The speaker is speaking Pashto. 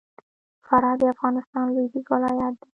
فراه د افغانستان لوېدیځ ولایت دی